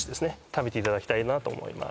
食べていただきたいなと思います